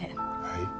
はい？